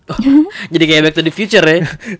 oke jadi kayak back to the future ya